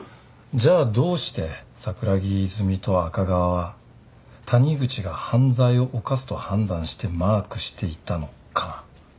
じゃあどうして桜木泉と赤川は谷口が犯罪を犯すと判断してマークしていたのか。